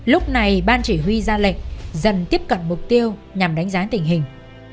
lúc này ban chỉ huy ra lệch dần tiếp cận mục tiêu nhằm đánh giá tình hình